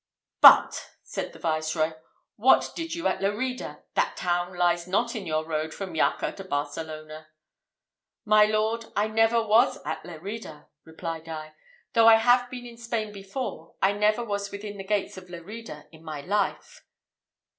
"But," said the Viceroy, "what did you at Lerida? That town lies not in your road from Jacca to Barcelona." "My Lord, I never was at Lerida," replied I; "though I have been in Spain before, I never was within the gates of Lerida in my life."